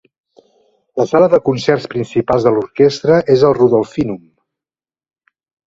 La sala de concerts principal de l'orquestra és el Rudolfinum.